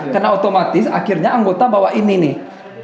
karena otomatis akhirnya anggota bawa ini nih